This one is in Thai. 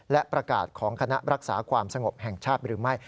และประกาศของคณะรักษาความสงบแห่งชาติหรือไม่